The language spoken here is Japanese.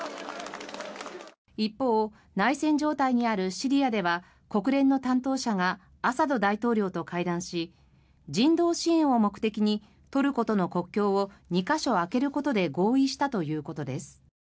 一方、内戦状態にあるシリアでは国連の担当者がアサド大統領と会談し人道支援を目的にトルコとの国境を２か所開けることで合意したということです。